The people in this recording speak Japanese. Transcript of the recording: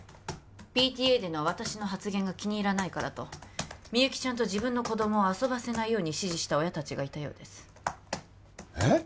ＰＴＡでの私の発言が気に入らないからとみゆきちゃんと自分の子供を遊ばせないように指示した親達がいたようですええっ！？